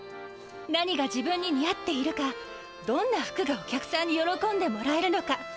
何が自分ににあっているかどんな服がお客さんによろこんでもらえるのか。